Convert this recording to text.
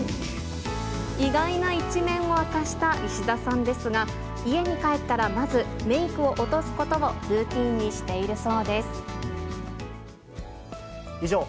意外な一面を明かした石田さんですが、家に帰ったらまずメークを落とすことをルーティーンにしているそ